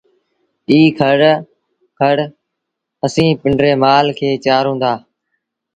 ايٚ کڙ اسيٚݩ پنڊري مآل کي چآرون دآ